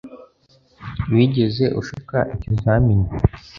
Wigeze ushuka ikizamini